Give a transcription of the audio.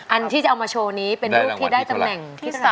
อันที่จะเอามาโชว์นี้เป็นรูปที่ได้ตำแหน่งที่๓